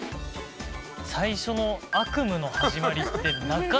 最初の「悪夢の始まり」ってなかなか聞かない。